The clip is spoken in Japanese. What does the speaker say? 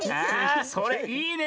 それいいね！